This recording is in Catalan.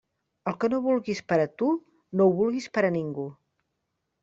El que no vulguis per a tu, no ho vulguis per a ningú.